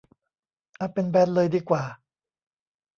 เอาเป็นแบนเลยดีกว่า